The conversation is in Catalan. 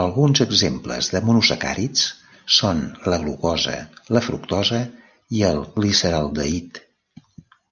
Alguns exemples de monosacàrids són la glucosa, la fructosa i el gliceraldehid.